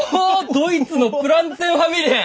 ドイツの「プランツェンファミリエン」！